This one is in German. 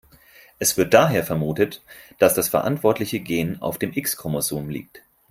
Es wird daher vermutet, dass das verantwortliche Gen auf dem X-Chromosom liegt.